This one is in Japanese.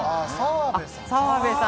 澤部さん。